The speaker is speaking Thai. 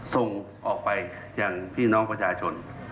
ส่งออกไปอย่างพี่น้องประชาชน